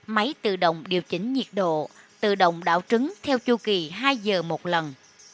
máy tự động điều chỉnh nhiệt độ tự động đảo trứng theo chu kỳ hai giờ một lần